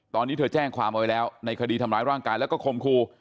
ตอนนี้เธอแจ้งความเอาไว้แล้วในคดีทำร้ายร่างกายแล้วก็คมครู